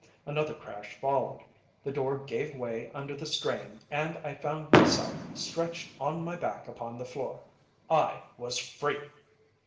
Another crash followed, the door gave way under the strain, and I found myself stretched on my back upon the floor. _I was free!